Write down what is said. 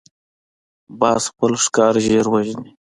باز خپل ښکار ژر وژني